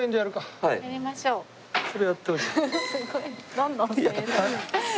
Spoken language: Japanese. どんどん。